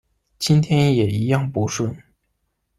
今天也一样不顺